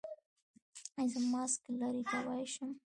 ایا زه ماسک لرې کولی شم؟